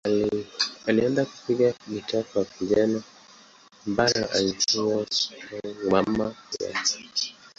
Alianza kupiga gitaa akiwa kijana, ambalo alijifunza kutoka kwa mama yake.